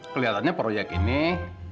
kelihatannya proyek ini prospek